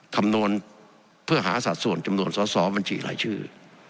คำนวณเพื่อหาสัดส่วนจำนวนสอสอบัญชีรายชื่อ